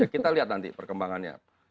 kita lihat nanti perkembangannya